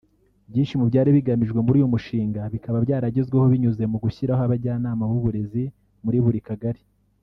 Byinshi mu byari bigamijwe muri uyu mushinga bikaba byaragezweho binyuze mu gushyiraho abajyanama b’uburezi muri buri Kagari